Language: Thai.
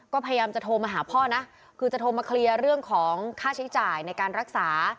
ก็พยายามจะโทรมาหาพ่อนะคือจะโทรมาเคลียร์เรื่องของค่าใช้จ่ายในการรักษา